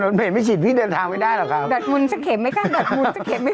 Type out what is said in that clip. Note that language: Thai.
ดับมุนขาเข็มไหมครับ